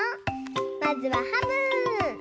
まずはハム。